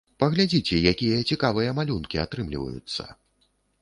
Паглядзіце, якія цікавыя малюнкі атрымліваюцца!